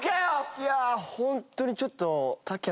いやあホントにちょっと。